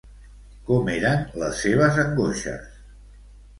Com eren les seves angoixes?